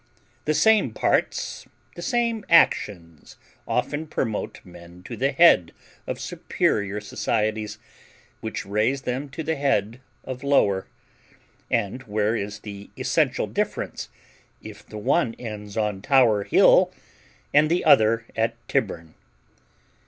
The same parts, the same actions, often promote men to the head of superior societies, which raise them to the head of lower; and where is the essential difference if the one ends on Tower hill and the other at Tyburn?